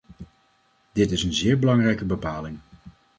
Dit is een zeer belangrijke bepaling.